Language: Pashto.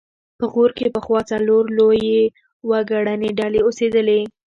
په غور کې پخوا څلور لویې وګړنۍ ډلې اوسېدلې